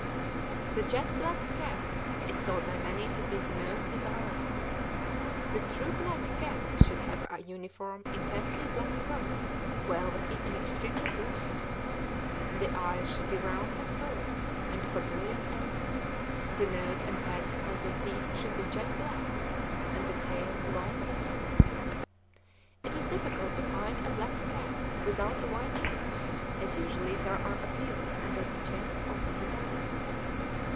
The jet black cat is thought by many to be the most desirable. The true black cat should have a uniform, intensely black coat, velvety and extremely glossy; the eyes should be round and full, and of a brilliant amber; the nose and pads of the feet should be jet black, and the tail long and tapering. It is difficult to find a black cat without a white hair, as usually there are a few under the chin or on the belly.